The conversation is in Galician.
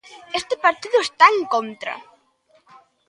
Este partido está en contra.